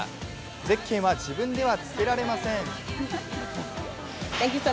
ゼッケンは自分ではつけられません。